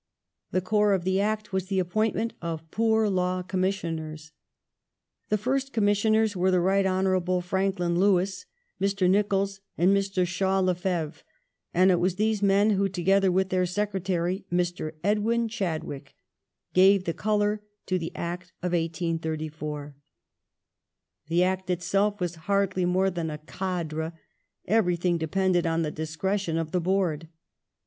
The core of the Act was the appointment of Poor Law Commissioners. The fii st Commis sioners were the Right Hon. Frankland Lewip, Mr. Nicholls, and Mr. Shaw Lefevre, and it was these men who, together with their Secretary, Mr. Edwin Chadwick, gave the colour to the Act of 1834. The Act itself was hardly more than a cadre ; everything depended on the discretion of the Board.